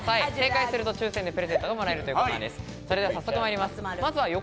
正解すると抽選でプレゼントがもらえるというコーナーです。